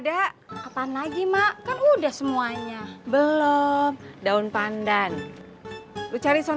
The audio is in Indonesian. tapi kantor paketnya tutup ani